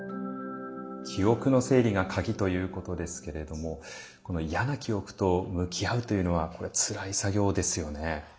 記憶の整理が鍵ということですけれどもこの嫌な記憶と向き合うというのはこれはつらい作業ですよね。